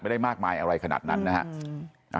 ได้มากมายอะไรขนาดนั้นนะฮะ